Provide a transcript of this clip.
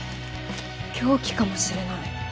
凶器かもしれない。